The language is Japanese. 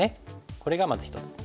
これがまず一つ。